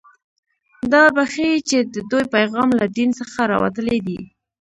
دا به ښيي چې د دوی پیغام له دین څخه راوتلی دی